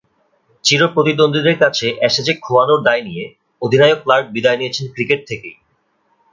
চিরপ্রতিদ্বন্দ্বীদের কাছে অ্যাশেজে খোয়ানোর দায় নিয়ে অধিনায়ক ক্লার্ক বিদায় নিয়েছেন ক্রিকেট থেকেই।